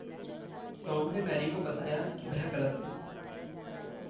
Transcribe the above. Tom ने Mary को बताया कि वह ग़लत थी|